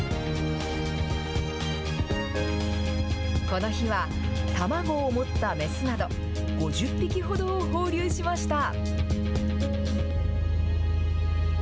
この日は、卵を持った雌など、５０匹ほどを放流しました。